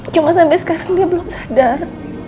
cuma sampai sekarang dia belum sadar